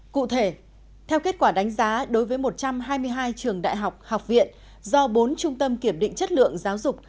cụ thể theo kết quả đánh giá đối với một trăm hai mươi hai trường đại học học viện do bốn trung tâm kiểm định chất lượng giáo dục